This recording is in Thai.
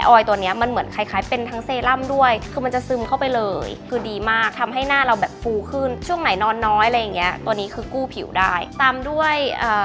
ออยล์ตัวนี้มันเหมือนคล้ายเป็นทั้งเซรั่มด้วย